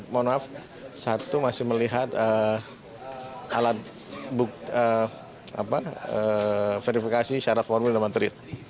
mohon maaf satu masih melihat alat verifikasi secara formil dan material